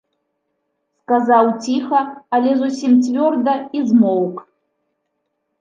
Сказаў ціха, але зусім цвёрда і змоўк.